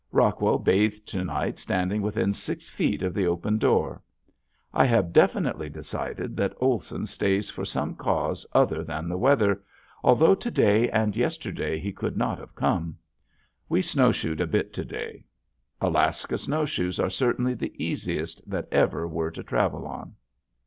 Rockwell bathed to night standing within six feet of the open door. I have definitely decided that Olson stays for some cause other than the weather, although to day and yesterday he could not have come. We snowshoed a bit to day. Alaska snowshoes are certainly the easiest that ever were to travel on.